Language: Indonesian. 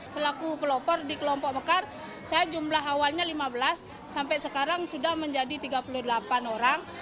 selaku pelopor di kelompok mekar saya jumlah awalnya lima belas sampai sekarang sudah menjadi tiga puluh delapan orang